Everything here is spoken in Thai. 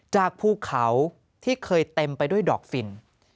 ภูเขาที่เคยเต็มไปด้วยดอกฟิน